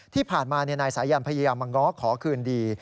ที่ผ่านมานายสายันพยายามมาง้อขอคืนดี